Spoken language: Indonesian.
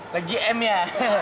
lagi m ya